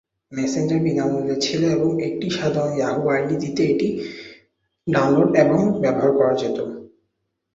Messenger বিনামূল্যের ছিল এবং একটি সাধারণ "ইয়াহু আইডি" দিতে এটি ডাউনলোড এবং ব্যবহার করা যেত।